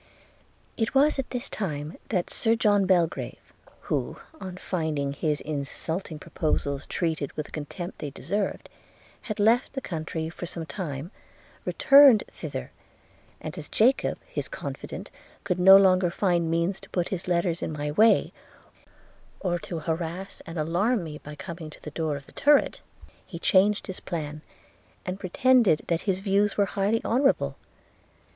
'It was at this time that Sir John Belgrave, who, on finding his insulting proposals treated with the contempt they deserved, had left the country for some time, returned thither; and as Jacob, his confident, could no longer find means to put his letters in my way, or to harass and alarm me by coming to the door of the turret, he changed his plan, and pretended that his views were highly honourable.